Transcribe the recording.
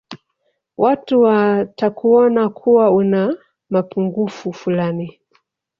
watu watakuona kuwa una mapungufu fulani